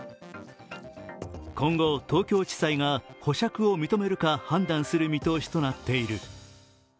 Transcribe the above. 今後、東京地裁が保釈を認めるか判断する見通しとなっている。